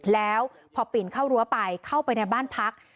แล้วพอปิ่นเข้ารั้วไปเข้าไปในบ้านพัก